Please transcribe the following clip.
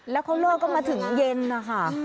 แล้วเขาเลิกกันมาถึงเย็นนะคะ